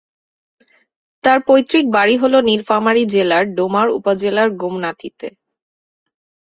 তার পৈতৃক বাড়ি হল নীলফামারী জেলার ডোমার উপজেলার গোমনাতিতে।